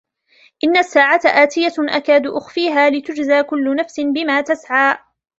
إِنَّ السَّاعَةَ آتِيَةٌ أَكَادُ أُخْفِيهَا لِتُجْزَى كُلُّ نَفْسٍ بِمَا تَسْعَى